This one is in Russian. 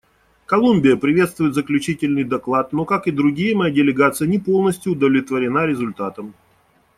Колумбия приветствует заключительный доклад, но, как и другие, моя делегация не полностью удовлетворена результатом.